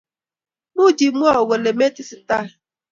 Much imwowoo kole me tesetai?